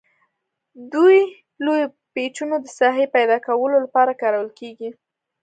دوه لوی پیچونه د ساحې د پیداکولو لپاره کارول کیږي.